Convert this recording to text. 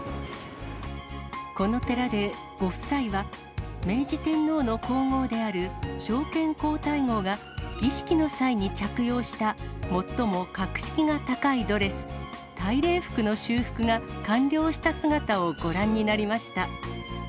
この寺で、ご夫妻は明治天皇の皇后である昭憲皇太后が、儀式の際に着用した最も格式が高いドレス、大礼服の修復が完了した姿をご覧になりました。